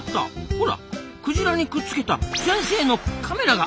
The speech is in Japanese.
ほらクジラにくっつけた先生のカメラがありますぞ。